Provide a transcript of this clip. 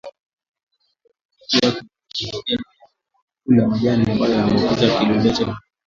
Uambukizaji wake hutokea baada ya kula majani ambayo yameambukizwa kiluiluicha minyoo